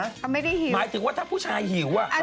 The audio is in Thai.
เขาไม่ได้หิวหมายถึงว่าถ้าผู้ชายหิว